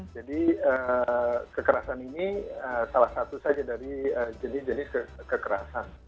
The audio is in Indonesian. jadi kekerasan ini salah satu saja dari jenis jenis kekerasan